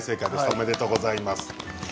おめでとうございます。